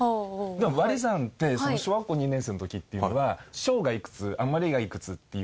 でも割り算って小学校２年生の時っていうのは商がいくつ余りがいくつっていう普通の割り算。